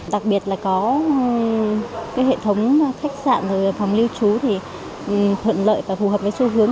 đặc biệt là có hệ thống khách sạn phòng lưu trú thì thuận lợi và phù hợp với xu hướng